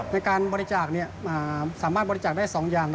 ในการบริจาคสามารถบริจาคได้๒อย่าง